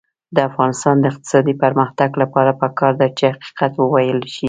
د افغانستان د اقتصادي پرمختګ لپاره پکار ده چې حقیقت وویلی شو.